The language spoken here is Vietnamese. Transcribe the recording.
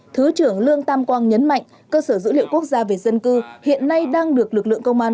thứ trưởng lương tam quang nhấn mạnh cơ sở dữ liệu quốc gia về dân cư hiện nay đang được lực lượng công an